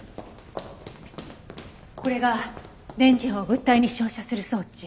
これが電磁波を物体に照射する装置。